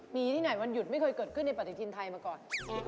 มีที่ไหนวันหยุดไม่เคยเกิดขึ้นในปฏิทินไทยมาก่อน